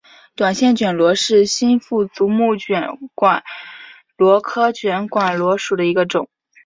断线卷管螺是新腹足目卷管螺科卷管螺属的一个种。